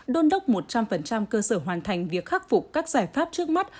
đôn đốc một trăm linh cơ sở hoàn thành việc khắc phục các giải pháp trước mắt